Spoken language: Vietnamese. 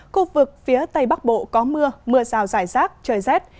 khu vực phía tây bắc bộ có mưa mưa rào rải rác trời rét